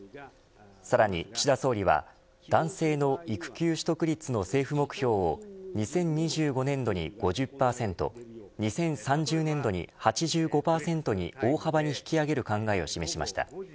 さらに岸田総理は男性の育休取得率の政府目標を２０２５年度に５０％２０３０年度に８５％に大幅に引き上げる考えを示しました。